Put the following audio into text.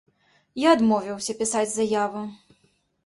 Я адмовіўся пісаць заяву.